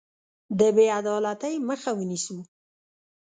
د بې عدالتۍ مخه ونیسو.